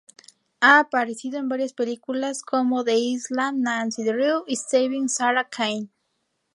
Ha aparecido en varias películas como "The Island, Nancy Drew" y "Saving Sarah Cain".